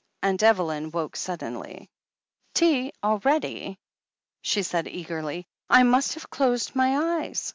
Atmt Evelyn woke suddenly. "Tea already?" she said eagerly. "I must have closed my eyes.